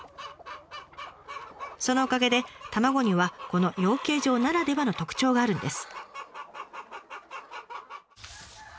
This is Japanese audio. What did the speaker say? そのおかげで卵にはこの養鶏場ならではの特徴があるんです。